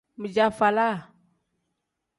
Bijaavalaa.